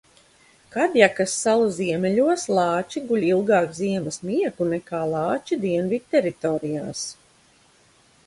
Kadjakas salu ziemeļos lāči guļ ilgāk ziemas miegu nekā lāči dienvidteritorijās.